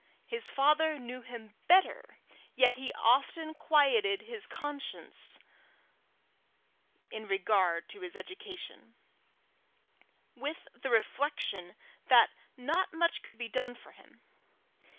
His father knew him better, yet he often quieted his conscience in regard to his education, with the reflection that not much could be done for him.